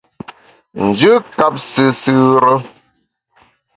Njù kap sùsù re.